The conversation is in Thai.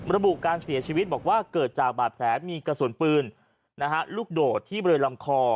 ระบุการเสียชีวิตบอกว่าเกิดจากบาดแผลมีกระสุนปืนลูกโดดที่บริเวณลำคอ